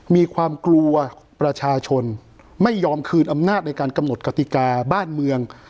มีความกลัวประชาชนไม่ยอมคืนอำนาจในการกำหนดกติกาบ้านเมือง